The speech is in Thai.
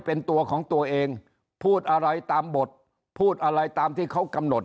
เป็นตัวของตัวเองพูดอะไรตามบทพูดอะไรตามที่เขากำหนด